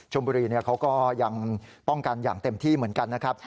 บุรีเขาก็ยังป้องกันอย่างเต็มที่เหมือนกันนะครับ